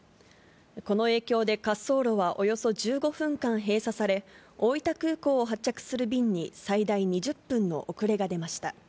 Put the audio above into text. この影響で、滑走路はおよそ１５分間閉鎖され、大分空港を発着する便に最大２０分の遅れが出ました。